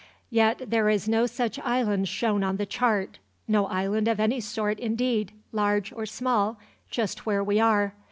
Yet there is no such island shown on the chart; no island of any sort, indeed, large or small, just where we are.